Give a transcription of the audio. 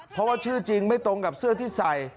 เพราะว่าชื่อจริงไม่ตรงกับเสื้อที่ใส่